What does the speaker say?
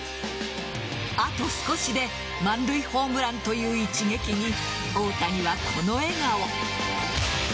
あと少しで満塁ホームランという一撃に大谷は、この笑顔。